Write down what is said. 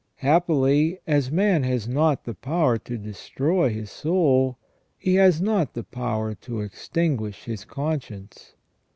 Happily, as man has not the power to destroy his soul, he has not the power to extinguish his conscience.